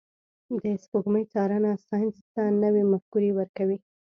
د سپوږمۍ څارنه ساینس ته نوي مفکورې ورکوي.